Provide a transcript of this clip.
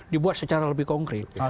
dibuat secara lebih konkret